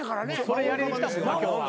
それやりに来たもんな今日は。